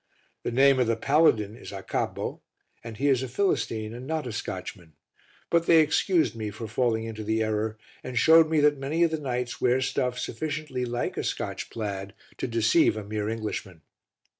The name of the paladin is Acabbo and he is a Philistine and not a Scotchman; but they excused me for falling into the error, and showed me that many of the knights wear stuff sufficiently like a Scotch plaid to deceive a mere Englishman.